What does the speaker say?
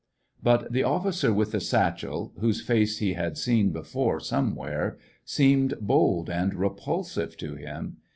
But the officer with the satchel, whose face he had seen before somewhere, seemed bold and repulsive to him.